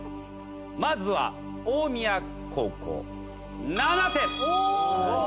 まずは大宮高校。